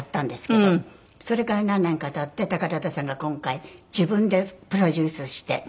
それから何年か経って宝田さんが今回自分でプロデュースして。